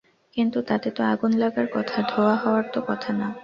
কিন্তু তাতে তো আগুন লাগার কথা, ধোয়া হওয়ার তো কথা না।